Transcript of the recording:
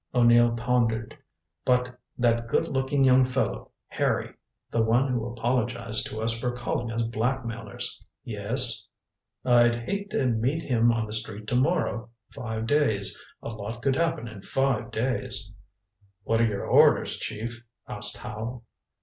O'Neill pondered. "But that good looking young fellow, Harry the one who apologized to us for calling us blackmailers " "Yes?" "I'd hate to meet him on the street to morrow. Five days. A lot could happen in five days " "What are your orders, Chief?" asked Howe.